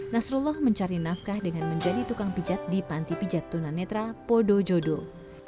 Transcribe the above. nasrullah mencari nafkah dengan menjadi tukang pijat di panti pijat tunanetra podo jodo